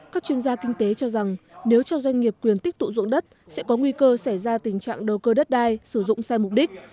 các chuyên gia kinh tế cho rằng nếu cho doanh nghiệp quyền tích tụ dụng đất sẽ có nguy cơ xảy ra tình trạng đầu cơ đất đai sử dụng sai mục đích